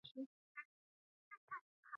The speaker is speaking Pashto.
افغانستان د ځمکه په برخه کې نړیوال شهرت لري.